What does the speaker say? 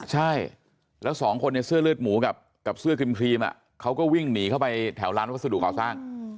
ใช่แล้วสองคนในเสื้อเลือดหมูกับเสื้อครีมเขาก็วิ่งหนีเข้าไปแถวร้านวัสดุก่อสร้าง